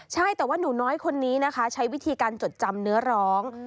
ใช่แต่ว่าหนูน้อยคนนี้นะคะใช้วิธีการจดจำเนื้อร้อง